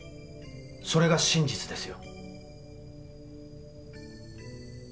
それが真実ですよ。